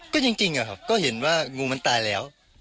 ก็จริงอะครับก็เห็นว่างูมันตายแล้ว